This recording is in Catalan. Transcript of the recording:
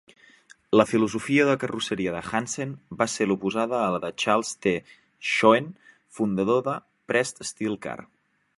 La filosofia de carrosseria de Hansen va ser l'oposada a la de Charles T. Schoen, fundador de Pressed Steel Car.